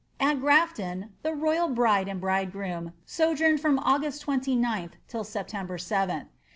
At Grufion the royal bride and bridegroom sojourned from August 29th till September 7th.'